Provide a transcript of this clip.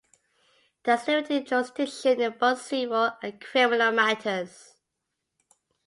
It has limited jurisdiction in both civil and criminal matters.